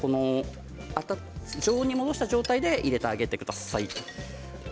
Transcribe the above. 常温に戻した状態で入れてあげてください。